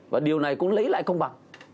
và điều này cũng lấy lại công bằng